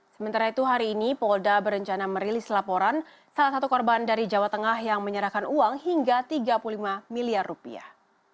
sementara itu hari ini polda berencana merilis laporan salah satu korban dari jawa tengah yang menyerahkan uang hingga tiga puluh lima miliar rupiah